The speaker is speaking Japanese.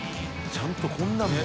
ちゃんとこんなんも。